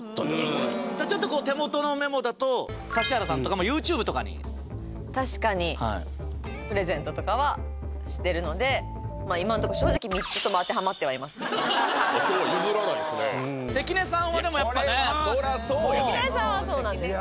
これちょっとこう手元のメモだと指原さんとかもＹｏｕＴｕｂｅとかに確かにプレゼントとかはしてるのでまぁ今んとこ正直今日は譲らないっすね関根さんはでもやっぱねいやこれはこらそうやで関根さんはそうなんですよ